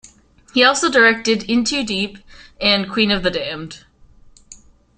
He also directed "In Too Deep" and "Queen of the Damned".